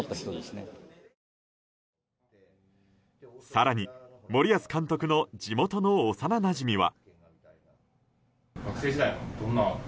更に森保監督の地元の幼なじみは。